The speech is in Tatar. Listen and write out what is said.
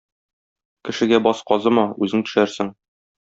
Кешегә баз казыма, үзең төшәрсең;